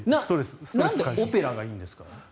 なんでオペラがいいんですか？